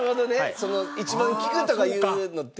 その一番効くとかいうのって。